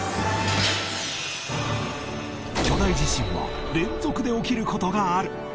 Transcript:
巨大地震は連続で起きる事がある